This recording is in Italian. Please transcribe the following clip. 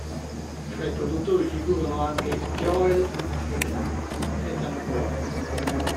Fra i produttori figurano anche Joel ed Ethan Coen.